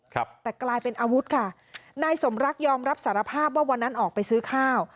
ครับแต่กลายเป็นอาวุธค่ะนายสมรักยอมรับสารภาพว่าวันนั้นออกไปซื้อข้าว